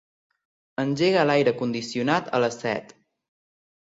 Engega l'aire condicionat a les set.